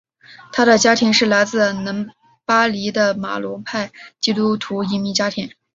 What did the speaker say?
他的家庭是来自黎巴嫩的马龙派基督徒移民家庭。